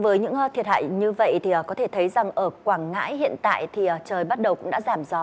với những thiệt hại như vậy thì có thể thấy rằng ở quảng ngãi hiện tại thì trời bắt đầu cũng đã giảm gió